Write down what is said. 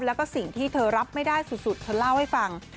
แล้วก็สิ่งที่เธอรับไม่ได้สุดเธอเล่าให้ฟัง